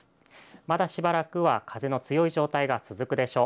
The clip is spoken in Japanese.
まだしばらくは風の強い状態が続くでしょう。